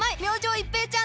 一平ちゃーん！